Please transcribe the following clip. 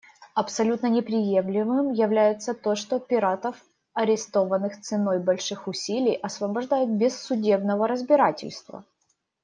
Абсолютно неприемлемым является то, что пиратов, арестованных ценой больших усилий, освобождают без судебного разбирательства.